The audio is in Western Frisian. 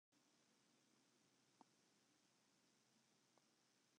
It is dêr yn dy húshâlding altyd sa'n tobberij.